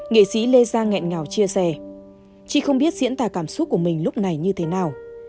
nghệ sĩ lê giang nghẹn ngào chia sẻ chị không biết diễn tả cảm xúc của mình lúc này như thế nào